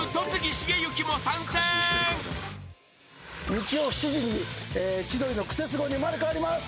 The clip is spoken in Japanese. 日曜７時に『千鳥のクセスゴ！』に生まれ変わります。